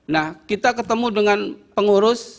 nah kita ketemu dengan pengurus